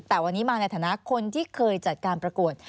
แต่วันนี้มาในฐานะคนที่เคยจัดการประกวด